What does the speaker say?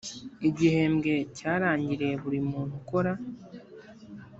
igihembwe cyarangiriye buri muntu ukora